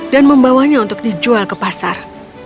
dan membawanya untuk dijual ke pasar